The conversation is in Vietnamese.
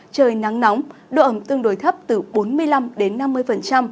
trời nắng nóng độ ẩm tương đối thấp từ bốn mươi năm đến năm mươi